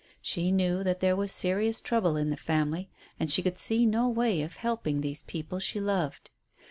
She knew that there was serious trouble in the family, and she could see no way of helping these people she loved.